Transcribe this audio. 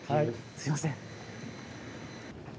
すいません。